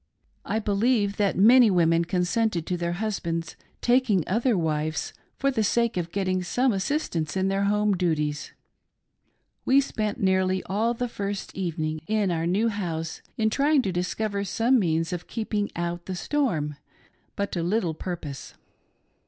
I believe, that many women consented to their husbands taking other wives for the sake of getting some assistance in their home duties. We spent nearly all the first evening in our new house in trying to discover :Some means of keeping out the storm, but to little purpose.